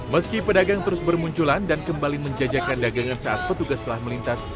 meski pedagang terus bermunculan dan kembali menjajakan dagangan saat petugas telah melintas